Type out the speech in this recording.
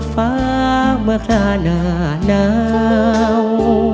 ฟ้าเมื่อค่าหน้าหนาว